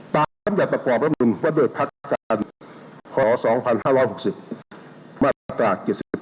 ตามจัดประกอบร่วมหนึ่งว่าโดยพักกันขอ๒๕๖๐มาตรา๗๖